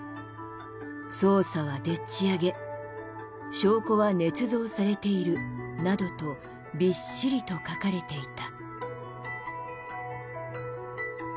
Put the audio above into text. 「捜査はでっち上げ」「証拠は捏造されている」などとびっしりと書かれていた。